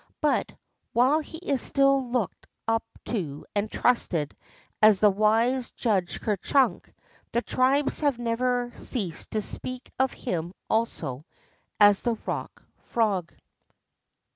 But, while he is still looked up to and trusted as the wise Judge Ker Chunk, the tribes have never ceased to speak of him also as the Bock Prog.